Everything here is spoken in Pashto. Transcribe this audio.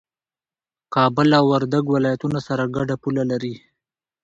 کابل او وردګ ولايتونه سره ګډه پوله لري